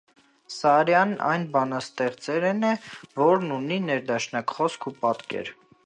Սարեան այն բանաստեղծներէն է, որ ունի ներդաշնակ խօսք ու պատկեր։